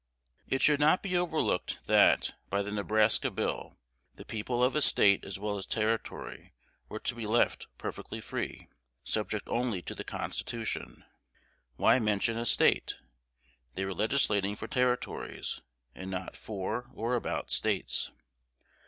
It should not be overlooked, that, by the Nebraska Bill, the people of a State as well as Territory were to be left "perfectly free" "subject only to the Constitution." Why mention a State? They were legislating for Territories, and not for or about States.